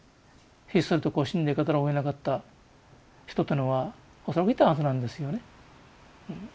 ひっそりと死んでいかざるをえなかった人というのは恐らくいたはずなんですよね。